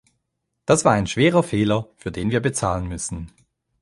Das war ein schwerer Fehler, für den wir bezahlen müssen.